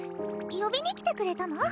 呼びに来てくれたの？